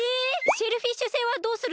シェルフィッシュ星はどうするんですか？